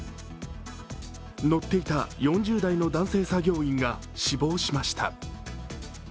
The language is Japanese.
乗っていた４０代の男性作業員が死亡しました。